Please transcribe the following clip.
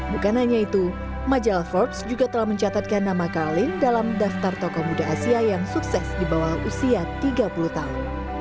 bukan hanya itu majalah forbes juga telah mencatatkan nama karlin dalam daftar tokoh muda asia yang sukses di bawah usia tiga puluh tahun